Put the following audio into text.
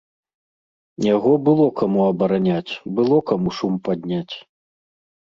Яго было каму абараняць, было каму шум падняць.